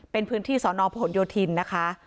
เป็นพื้นที่สนพยนะคะ